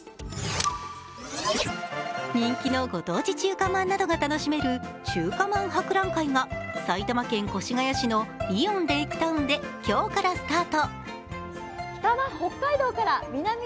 人気のご当地中華まんなどが楽しめる中華まん博覧会が埼玉県越谷市のイオンレイクタウンで今日からスタート。